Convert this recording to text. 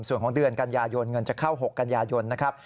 ส่วนของเดือนกันยายนเงินจะเข้า๖กันยายนนะครับ